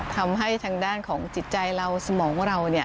ทำให้ทางด้านของจิตใจเราสมองเรา